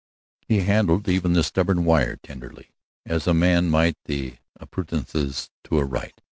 He handled even the stubborn wire tenderly, as a man might the appurtenances to a rite.